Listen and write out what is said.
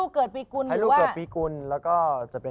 ไปดูดวงมา